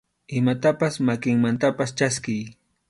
Imatapas makinmantapas chaskiy.